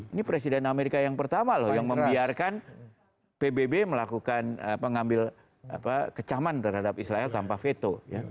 ini presiden amerika yang pertama loh yang membiarkan pbb melakukan pengambil kecaman terhadap israel tanpa veto